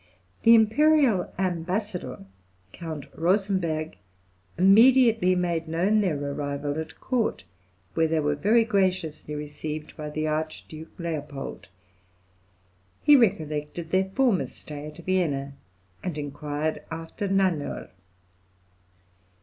The imperial ambassador, Count Rosenberg, immediately made known their arrival at court, where they were very graciously received by the Archduke Leopold, He recollected their former stay at Vienna, and inquired after Nannerl.